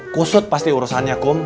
kusut pasti urusannya kum